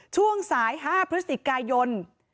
ช่วงสาย๕พฤศจิกายน